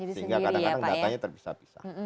sehingga kadang kadang datanya terpisah pisah